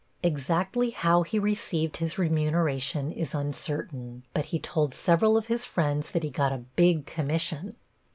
Exactly how he received his remuneration is uncertain, but he told several of his friends that he got a "big commission."